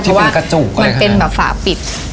เพราะว่ามันเป็นแบบฝาปิด